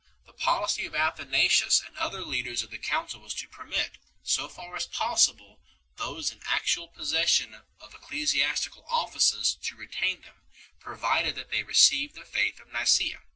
The policy of Athanasius and other leaders of the council was to permit, so far as possible, those in actual possession of ecclesiastical offices to retain them, provided that they received the Faith of Nicaaa.